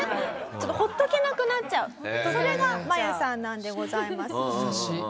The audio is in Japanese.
ちょっとほっとけなくなっちゃうそれがマユさんなんでございます。